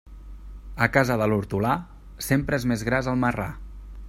A casa de l'hortolà, sempre és més gras el marrà.